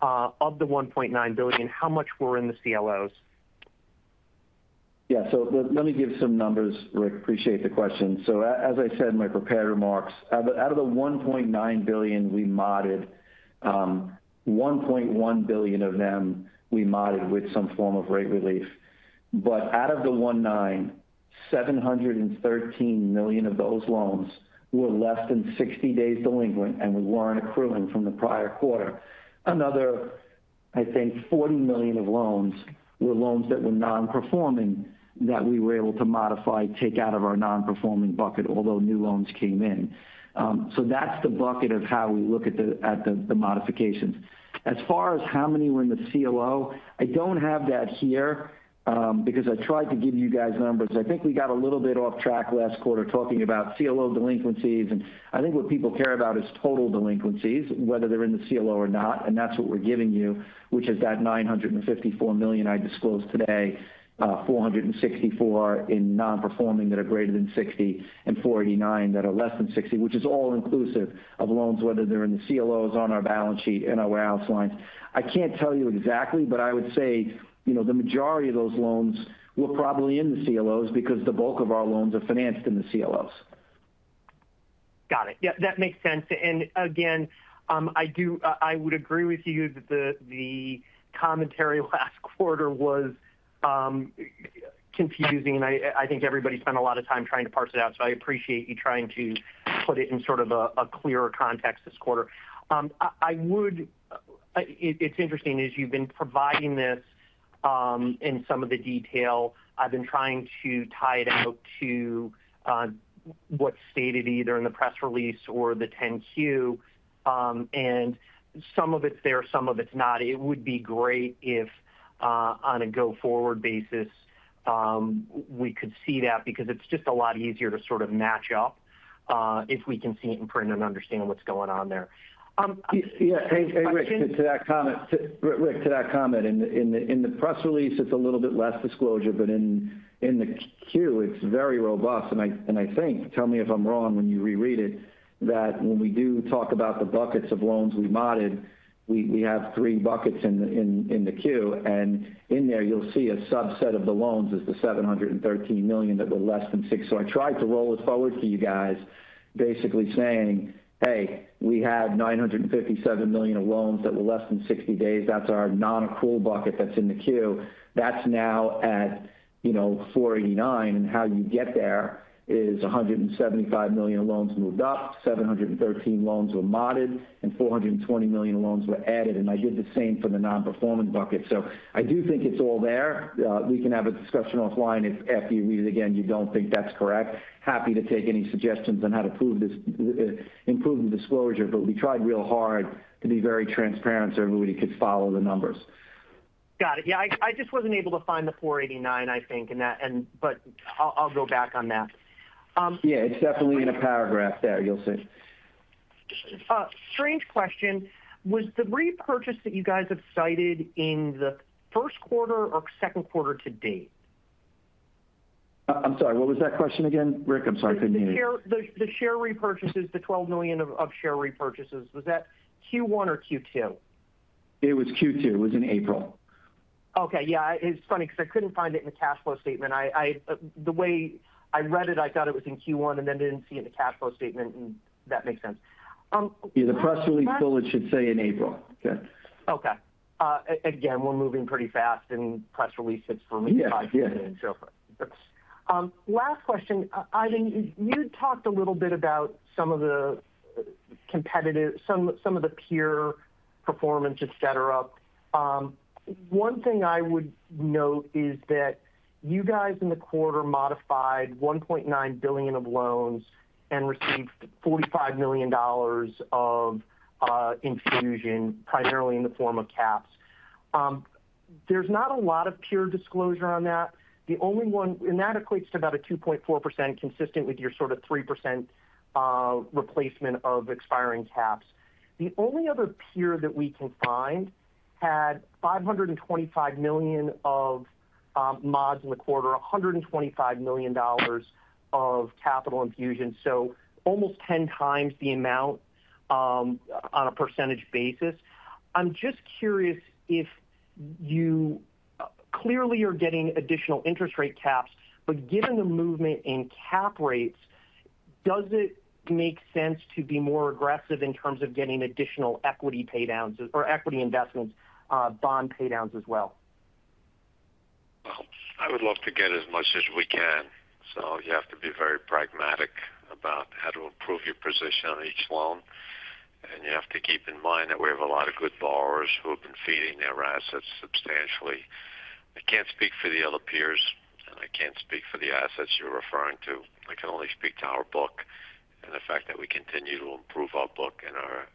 of the $1.9 billion, how much were in the CLOs? Yeah, so let me give some numbers, Rick. Appreciate the question. So as I said in my prepared remarks, out of the $1.9 billion we modded, $1.1 billion of them we modded with some form of rate relief. But out of the 1.9, $713 million of those loans were less than 60 days delinquent, and we weren't accruing from the prior quarter. Another, I think, $40 million of loans were loans that were non-performing, that we were able to modify, take out of our non-performing bucket, although new loans came in. So that's the bucket of how we look at the modifications. As far as how many were in the CLO, I don't have that here, because I tried to give you guys numbers. I think we got a little bit off track last quarter talking about CLO delinquencies, and I think what people care about is total delinquencies, whether they're in the CLO or not, and that's what we're giving you, which is that $954 million I disclosed today, 464 in non-performing that are greater than 60, and 49 that are less than 60, which is all inclusive of loans, whether they're in the CLOs, on our balance sheet, in our warehouse lines. I can't tell you exactly, but I would say, you know, the majority of those loans were probably in the CLOs, because the bulk of our loans are financed in the CLOs. Got it. Yeah, that makes sense. And again, I would agree with you that the commentary last quarter was confusing, and I think everybody spent a lot of time trying to parse it out, so I appreciate you trying to put it in sort of a clearer context this quarter. It's interesting, as you've been providing this in some of the detail. I've been trying to tie it out to what's stated either in the press release or the 10-Q, and some of it's there, some of it's not. It would be great if, on a go-forward basis, we could see that, because it's just a lot easier to sort of match up if we can see it in print and understand what's going on there. Yeah, hey, Rick, to that comment, Rick, to that comment, in the press release, it's a little bit less disclosure, but in the Q, it's very robust. And I think, tell me if I'm wrong when you reread it, that when we do talk about the buckets of loans we modded, we have 3 buckets in the Q. And in there, you'll see a subset of the loans is the $713 million that were less than 6. So I tried to roll this forward to you guys, basically saying: "Hey, we had $957 million of loans that were less than 60 days. That's our non-accrual bucket that's in the Q. That's now at, you know, $489 million, and how you get there is $175 million of loans moved up, 713 loans were modded, and $420 million loans were added. And I did the same for the non-performing bucket. So I do think it's all there. We can have a discussion offline if after you read it again, you don't think that's correct. Happy to take any suggestions on how to prove this, improve the disclosure, but we tried real hard to be very transparent so everybody could follow the numbers. Got it. Yeah, I just wasn't able to find the 489, I think, in that, but I'll go back on that. Yeah, it's definitely in a paragraph there, you'll see. Strange question. Was the repurchase that you guys have cited in the first quarter or second quarter to date? I'm sorry, what was that question again, Rick? I'm sorry, I couldn't hear you. The share repurchases, the $12 million of share repurchases, was that Q1 or Q2? It was Q2. It was in April. Okay. Yeah, it's funny, because I couldn't find it in the cash flow statement. The way I read it, I thought it was in Q1, and then didn't see it in the cash flow statement, and that makes sense. Yeah, the press release, it should say in April. Okay. Okay. Again, we're moving pretty fast, and press release, it's for me- Yeah. Yeah. Last question. Ivan, you talked a little bit about some of the competitive—some of the peer performance, etc. One thing I would note is that you guys in the quarter modified $1.9 billion of loans and received $45 million of infusion, primarily in the form of caps. There's not a lot of peer disclosure on that. The only one—and that equates to about a 2.4%, consistent with your sort of 3% replacement of expiring caps. The only other peer that we can find had $525 million of mods in the quarter, $125 million of capital infusion, so almost 10 times the amount on a percentage basis. I'm just curious if you, clearly, you're getting additional interest rate caps, but given the movement in cap rates, does it make sense to be more aggressive in terms of getting additional equity paydowns or equity investments, bond paydowns as well? Well, I would love to get as much as we can. So you have to be very pragmatic about how to improve your position on each loan, and you have to keep in mind that we have a lot of good borrowers who have been feeding their assets substantially. I can't speak for the other peers, and I can't speak for the assets you're referring to. I can only speak to our book and the fact that we continue to improve our book and our,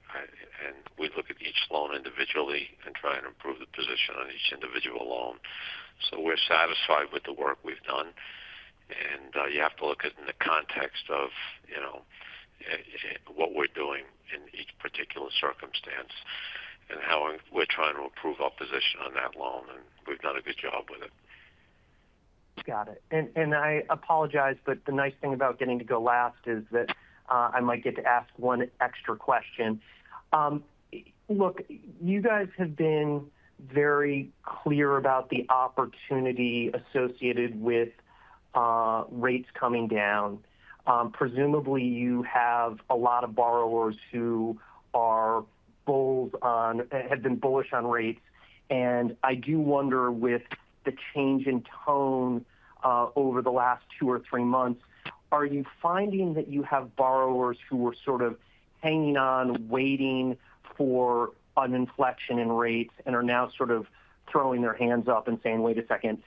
and we look at each loan individually and try and improve the position on each individual loan. So we're satisfied with the work we've done, and, you have to look at it in the context of, you know, what we're doing in each particular circumstance and how we're trying to improve our position on that loan, and we've done a good job with it. Got it. And, and I apologize, but the nice thing about getting to go last is that, I might get to ask one extra question. Look, you guys have been very clear about the opportunity associated with, rates coming down. Presumably, you have a lot of borrowers who have been bullish on rates, and I do wonder, with the change in tone, over the last two or three months, are you finding that you have borrowers who were sort of hanging on, waiting for an inflection in rates and are now sort of throwing their hands up and saying, "Wait a second,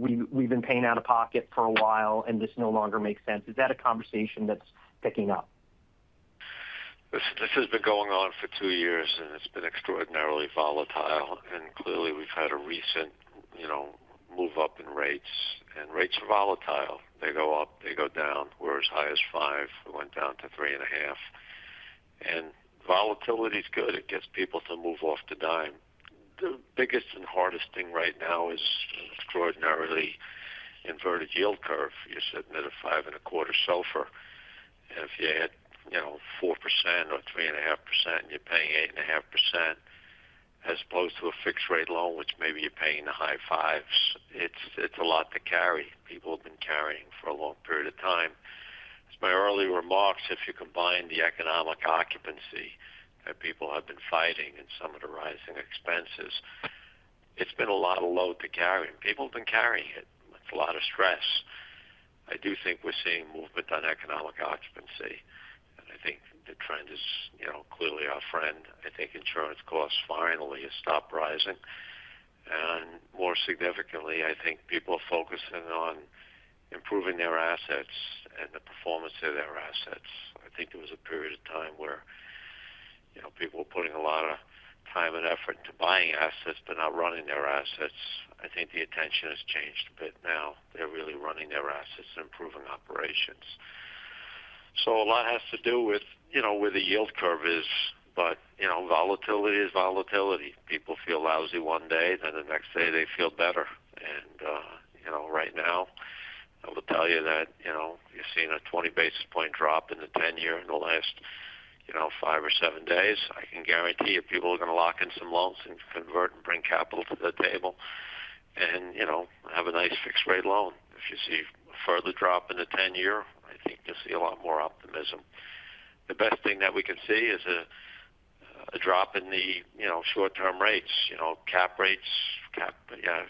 we've, we've been paying out of pocket for a while, and this no longer makes sense." Is that a conversation that's picking up? This, this has been going on for two years, and it's been extraordinarily volatile, and clearly, we've had a recent, you know, move up in rates, and rates are volatile. They go up, they go down. We're as high as 5%. We went down to 3.5%. And volatility is good. It gets people to move off the dime. The biggest and hardest thing right now is an extraordinarily inverted yield curve. You're sitting at a 5.25% SOFR. If you had, you know, 4% or 3.5%, you're paying 8.5%, as opposed to a fixed rate loan, which maybe you're paying the high 5s. It's, it's a lot to carry. People have been carrying for a long period of time. As my early remarks, if you combine the economic occupancy that people have been fighting and some of the rising expenses, it's been a lot of load to carry, and people have been carrying it with a lot of stress. I do think we're seeing movement on economic occupancy, and I think the trend is, you know, clearly our friend. I think insurance costs finally have stopped rising, and more significantly, I think people are focusing on improving their assets and the performance of their assets. I think there was a period of time where, you know, people were putting a lot of time and effort to buying assets, but not running their assets. I think the attention has changed, but now they're really running their assets and improving operations. So a lot has to do with, you know, where the yield curve is, but, you know, volatility is volatility. People feel lousy one day, then the next day, they feel better. And, you know, right now, I will tell you that, you know, you're seeing a 20 basis point drop in the 10-year in the last, you know, 5 or 7 days. I can guarantee you, people are going to lock in some loans and convert and bring capital to the table and, you know, have a nice fixed rate loan. If you see a further drop in the 10-year, I think you'll see a lot more optimism. The best thing that we can see is a drop in the, you know, short-term rates, you know, cap rates. Cap, yeah,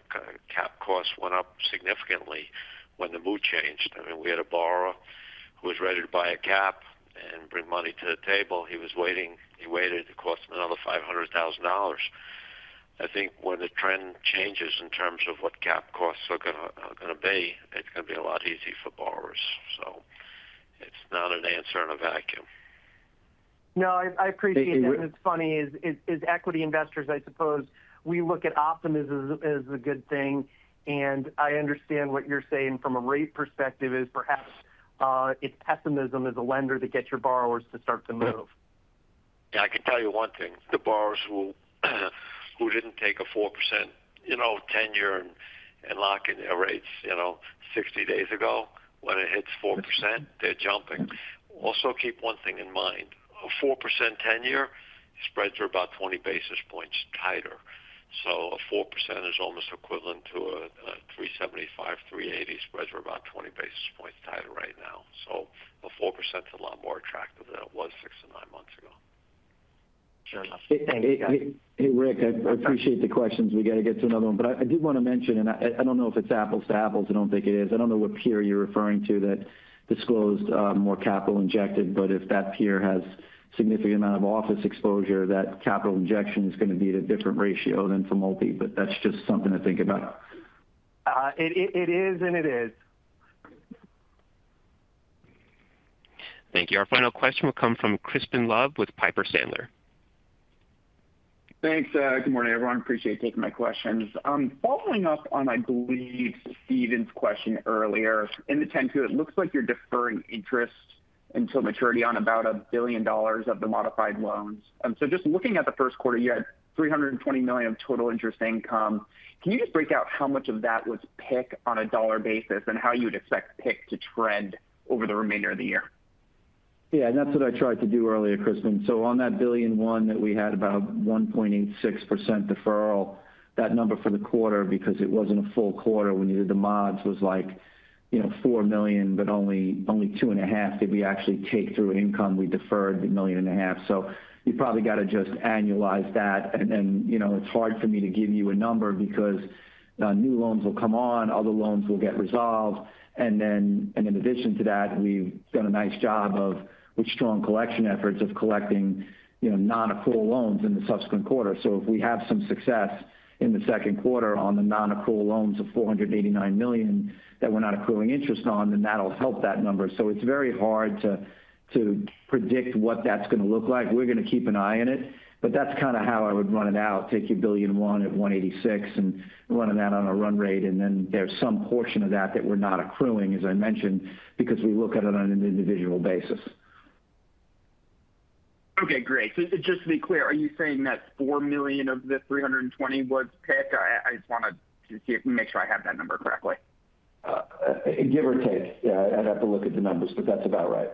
cap costs went up significantly when the mood changed. I mean, we had a borrower who was ready to buy a cap and bring money to the table. He was waiting. He waited. It cost him another $500,000. I think when the trend changes in terms of what cap costs are gonna, are gonna be, it's going to be a lot easier for borrowers, so.... it's not an answer in a vacuum. No, I appreciate that. Thank you- It's funny, as equity investors, I suppose we look at optimism as a good thing, and I understand what you're saying from a rate perspective is perhaps it's pessimism as a lender to get your borrowers to start to move. Yeah, I can tell you one thing, the borrowers who didn't take a 4%, you know, ten-year and lock in their rates, you know, 60 days ago, when it hits 4%, they're jumping. Also, keep one thing in mind, a 4% ten-year, spreads are about 20 basis points tighter, so a 4% is almost equivalent to a 3.75, 3.80. Spreads are about 20 basis points tighter right now. So a 4%'s a lot more attractive than it was 6-9 months ago. Sure. Hey, Rick, I appreciate the questions. We gotta get to another one. But I, I did wanna mention, and I, I don't know if it's apples to apples, I don't think it is. I don't know what peer you're referring to that disclosed more capital injected, but if that peer has significant amount of office exposure, that capital injection is gonna be at a different ratio than for multi. But that's just something to think about. It is, and it is. Thank you. Our final question will come from Crispin Love with Piper Sandler. Thanks, good morning, everyone. Appreciate you taking my questions. Following up on, I believe, Steven's question earlier. In the 10-Q, it looks like you're deferring interest until maturity on about $1 billion of the modified loans. So just looking at the first quarter, you had $320 million of total interest income. Can you just break out how much of that was PIK on a dollar basis, and how you would expect PIK to trend over the remainder of the year? Yeah, and that's what I tried to do earlier, Crispin. So on that $1 billion that we had about 1.86% deferral, that number for the quarter, because it wasn't a full quarter when we did the mods, was like, you know, $4 million, but only, only $2.5 million did we actually take through income. We deferred $1.5 million. So you probably gotta just annualize that. And then, you know, it's hard for me to give you a number because new loans will come on, other loans will get resolved. And then, and in addition to that, we've done a nice job of with strong collection efforts of collecting, you know, non-accrual loans in the subsequent quarter. So if we have some success in the second quarter on the non-accrual loans of $489 million that we're not accruing interest on, then that'll help that number. So it's very hard to, to predict what that's gonna look like. We're gonna keep an eye on it, but that's kind of how I would run it out. Take your $1.1 billion at 1.86 and running that on a run rate, and then there's some portion of that that we're not accruing, as I mentioned, because we look at it on an individual basis. Okay, great. So just to be clear, are you saying that $4 million of the $320 million was PIK? I, I just wanted to see if—make sure I have that number correctly. Give or take. Yeah, I'd have to look at the numbers, but that's about right.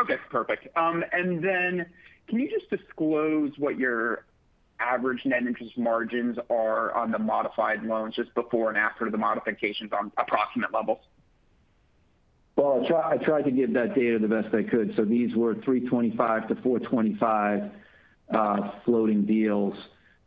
Okay, perfect. And then can you just disclose what your average net interest margins are on the modified loans just before and after the modifications on approximate levels? Well, I try, I tried to give that data the best I could. So these were 3.25%-4.25% floating deals.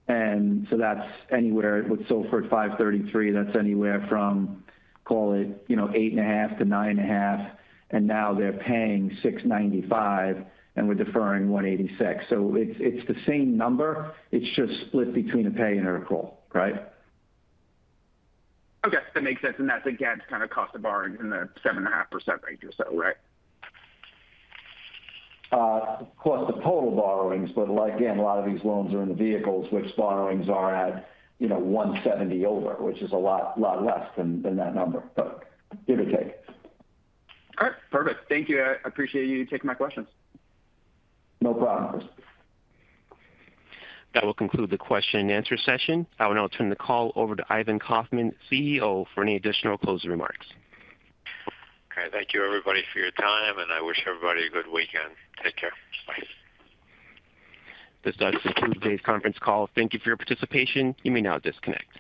And so that's anywhere with SOFR at 5.33%. That's anywhere from, call it, you know, 8.5%-9.5%, and now they're paying 6.95%, and we're deferring 1.86%. So it's, it's the same number. It's just split between a pay and accrual, right? Okay, that makes sense, and that's again, kind of cost of borrowing in the 7.5% range or so, right? Plus the total borrowings, but like, again, a lot of these loans are in the vehicles which borrowings are at, you know, 170 over, which is a lot, lot less than that number, but give or take. All right. Perfect. Thank you. I appreciate you taking my questions. No problem. That will conclude the question-and-answer session. I will now turn the call over to Ivan Kaufman, CEO, for any additional closing remarks. Okay. Thank you, everybody, for your time, and I wish everybody a good weekend. Take care. Bye. This does conclude today's conference call. Thank you for your participation. You may now disconnect.